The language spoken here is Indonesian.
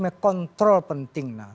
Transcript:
bagaimana mekanisme kontrol penting